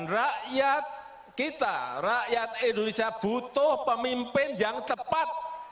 rakyat kita rakyat indonesia butuh pemimpin yang tepat